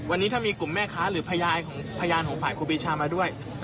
วันนี้ถ้ามีกลุ่มแม่ค้าหรือพยานของพยานของฝ่ายครูปีชามาด้วย